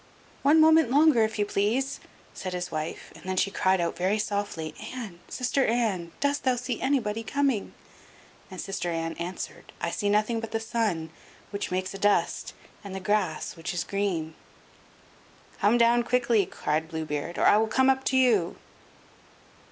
"One moment longer, if you please," said his wife, and then she cried out very softly, "Anne, sister Anne, dost thou see anybody coming?" And sister Anne answered: "I see nothing but the sun, which makes a dust, and the grass, which is green." "Come down quickly," cried Blue Beard, "or I will come up to you."